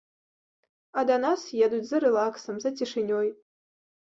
А да нас едуць за рэлаксам, за цішынёй.